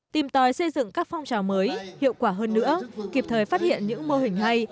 tìm tòi xây dựng các phong trào mới hiệu quả hơn nữa kịp thời phát hiện những mô hình hay